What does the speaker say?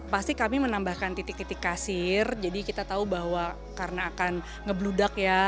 pasti kami menambahkan titik titik kasir jadi kita tahu bahwa karena akan ngebludak ya